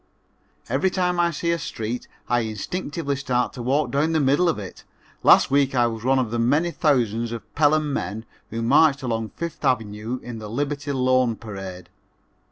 Every time I see a street I instinctively start to walk down the middle of it. Last week I was one of the many thousands of Pelham men who marched along Fifth Avenue in the Liberty Loan parade.